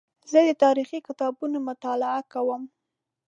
زه د تاریخي کتابونو مطالعه کوم.